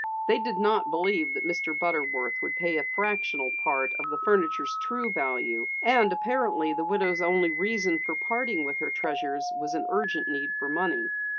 They did not believe that Mr. Butterworth would pay a fractional part of the furniture's true value, and apparently the widow's only reason for parting with her treasures was an urgent need for money.